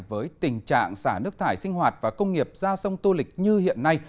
với tình trạng xả nước thải sinh hoạt và công nghiệp ra sông tô lịch như hiện nay